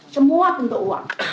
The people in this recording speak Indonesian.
semua bentuk uang